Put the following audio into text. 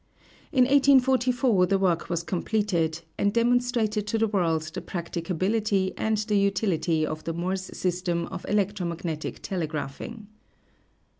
In 1844 the work was completed, and demonstrated to the world the practicability and the utility of the Morse system of electro magnetic telegraphing.